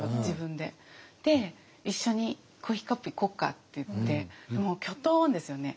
で「一緒にコーヒーカップ行こうか」って言ってもうキョトンですよね。